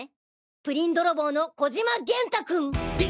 プリン泥棒の小嶋元太君！